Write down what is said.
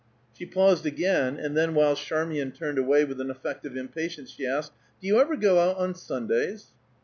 She paused again, and then while Charmian turned away with an effect of impatience, she asked, "Do you ever go out on Sundays?"